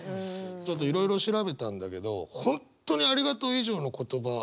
ちょっといろいろ調べたんだけど本当に「ありがとう」以上の言葉探してんだね。